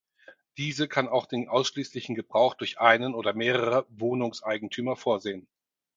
Diese kann auch den ausschließlichen Gebrauch durch einen oder mehrere Wohnungseigentümer vorsehen.